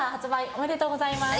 おめでとうございます。